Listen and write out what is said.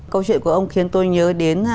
câu chuyện của ông khiến tôi nhớ đến